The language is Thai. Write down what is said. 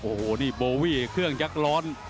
โอ้โหนี่โบวี่เครื่องยักษ์ร้อน